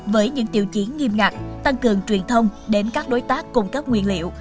với những tiêu chiến nghiêm ngặt tăng cường truyền thông đến các đối tác cung cấp nguyên liệu